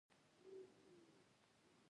زه د ستونزو پر وخت صبر کوم.